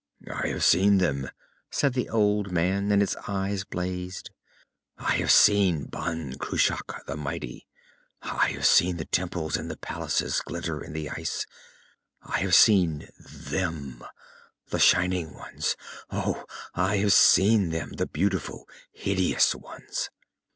"I have seen them," said the old man, and his eyes blazed. "I have seen Ban Cruach the mighty. I have seen the temples and the palaces glitter in the ice. I have seen Them, the shining ones. Oh, I have seen them, the beautiful, hideous ones!"